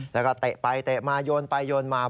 แล้วก็เตะไปเตะมาโยนไปโยนมา